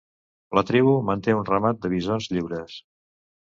La tribu manté un ramat de bisons lliures.